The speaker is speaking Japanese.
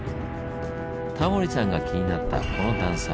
タモリさんが気になったこの段差。